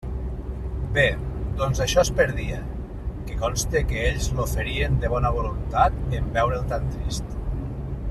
Bé; doncs això es perdia; que conste que ells l'oferien de bona voluntat, en veure'l tan trist.